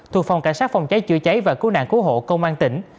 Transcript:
thuộc phòng cảnh sát phòng cháy chữa cháy và cứu nạn cứu hộ công an tỉnh